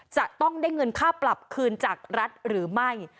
จะต้องได้เงินค่าปรับคืนจากรัฐหรือไม่